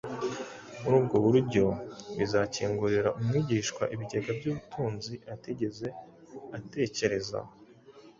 muri ubwo buryo bizakingurira umwigishwa ibigega by’ubutunzi atigeze atekerezaho.